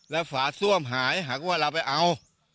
แล้วฝาซ่วมหายหากว่าเราไปเอา